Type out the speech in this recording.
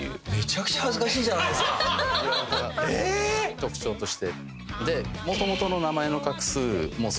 特徴として。